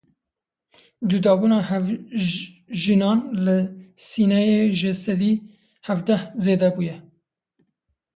Cudabûna hevjînan li Sineyê ji sedî hevdeh zêde bûye.